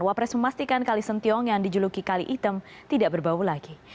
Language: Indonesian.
wapres memastikan kalisentiong yang dijuluki kali item tidak berbau lagi